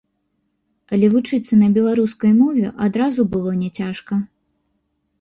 Але вучыцца на беларускай мове адразу было няцяжка.